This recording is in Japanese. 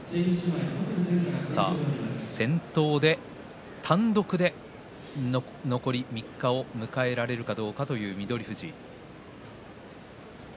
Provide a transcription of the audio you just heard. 先頭で、単独で残り３日を迎えられるかどうかという翠富士。